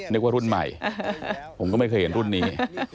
นึกว่ารุ่นใหม่ผมก็ไม่เคยเห็นรุ่นนี้